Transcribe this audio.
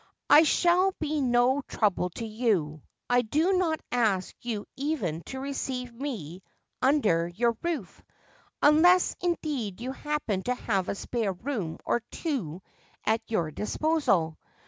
I shall be no trouble to you : I do not ask you even to receive me under your roof, unless indeed you happen to have a spare room or two at your disposal.